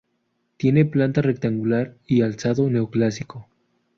Tiene planta rectangular y alzado neoclásico.